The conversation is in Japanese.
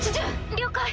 了解。